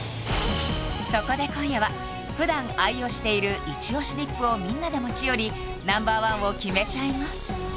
そこで今夜は普段愛用している一押しディップをみんなで持ち寄りＮｏ．１を決めちゃいます！